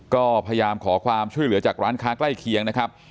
ก็พยายามขอความช่วยเหลือจากร้านค้าใกล้เคียงนะครับ